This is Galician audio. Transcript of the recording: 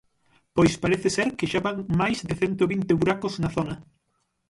Pois parece ser que xa van máis de cento vinte buracos na zona.